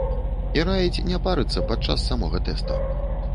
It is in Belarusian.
І раіць не парыцца падчас самога тэста.